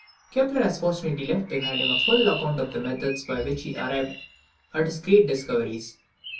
Kepler has fortunately left behind him a full account of the methods by which he arrived at his great discoveries.